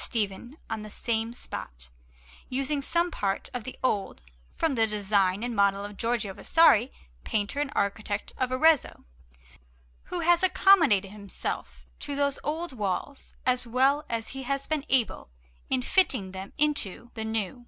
Stephen on the same spot, using some part of the old, from the design and model of Giorgio Vasari, painter and architect of Arezzo, who has accommodated himself to those old walls as well as he has been able in fitting them into the new.